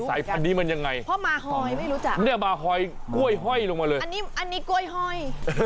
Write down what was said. สายพันธุ์นี้มันยังไงเพราะมาฮอยไม่รู้จักเนี่ยมาฮอยกล้วยห้อยลงมาเลยอันนี้อันนี้กล้วยหอย